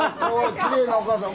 きれいなおかあさん。